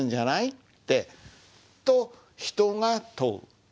ってと人が問う。